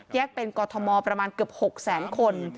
แยกเป็นกมประมาณเกือบ๖๐๐๐๐๐คน